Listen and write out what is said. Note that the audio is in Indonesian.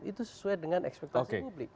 itu sesuai dengan ekspektasi publik